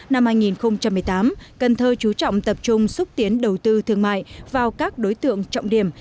năm hai nghìn một mươi tám cần thơ chú trọng tập trung xúc tiến đầu tư thương mại vào các đối tượng trọng điểm